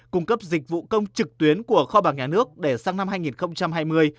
cung cấp dịch vụ công trực tuyến của kho bạc nhà nước để sang năm hai nghìn hai mươi